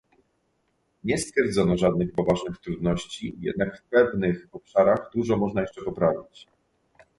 Nie stwierdzono żadnych poważnych trudności, jednak w pewnych obszarach dużo można jeszcze poprawić